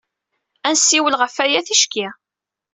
Ad nessiwel ɣef waya ticki.